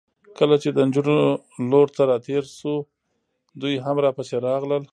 کله چې د نجونو لور ته راتېر شوو، دوی هم راپسې راغلل.